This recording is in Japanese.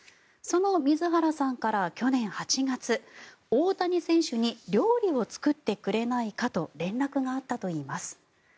その水原さんから去年８月大谷選手に料理を作ってくれないかと連絡があったといいます。